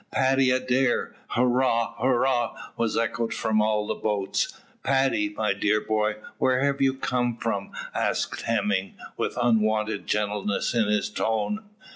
"Paddy Adair, hurrah! hurrah!" was echoed from all the boats. "Paddy, my dear boy, where have you come from?" asked Hemming, with unwonted gentleness in his tone.